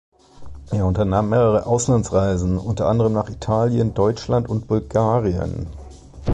Er unternahm mehrere Auslandsreisen, unter anderem nach Italien, Deutschland und Bulgarien.